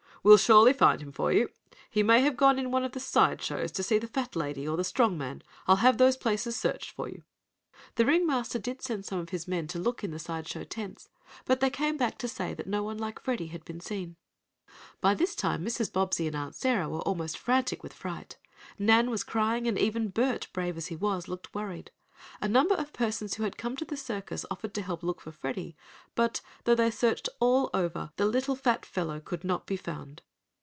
"We'll surely find him for you. He may have gone in one of the side shows, to see the fat lady, or the strong man. I'll have those places searched for you." The ring master did send some of his men to look in the side show tents, but they came back to say that no one like Freddie had been seen. By this time Mrs. Bobbsey and Aunt Sarah were almost frantic with fright. Nan was crying, and even Bert, brave as he was, looked worried. A number of persons who had come to the circus offered to help look for Freddie, but, though they searched all over, the little fat fellow could not be found.